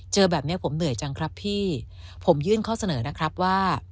เจอแบบนี้ผมเหนื่อยจังครับพี่ผมยื่นข้อเสนอนะครับว่า